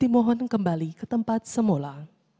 dimohon kembali ke tempat semula